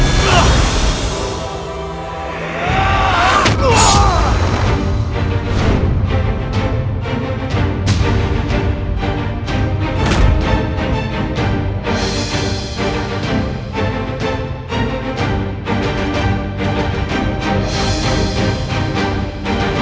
geris kiai setan kober